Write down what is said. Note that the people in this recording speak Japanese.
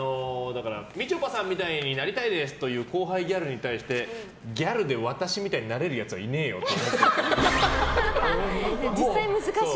みちょぱさんみたいになりたいですと言う後輩ギャルに対してギャルで私みたいになれるやつはいねーよと思ってるっぽい。